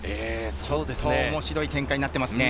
ちょっと面白い展開になっていますね。